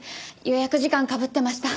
予約時間かぶってました。